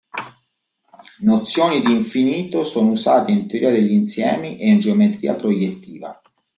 Nozioni di infinito sono usate in teoria degli insiemi e in geometria proiettiva.